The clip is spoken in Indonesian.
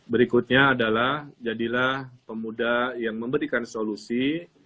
berikutnya adalah jadilah pemuda yang memberikan solusi